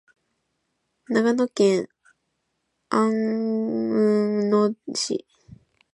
長野県安曇野市